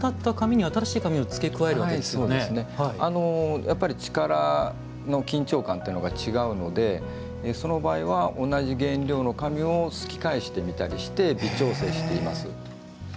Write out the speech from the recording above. やっぱり力の緊張感が違うのでその場合は、同じ原料の紙をすき返してみたりして微調整しています。